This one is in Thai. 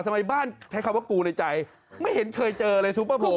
ทำไมบ้านใช้คำว่ากูในใจไม่เห็นเคยเจอเลยซุปเปอร์โพล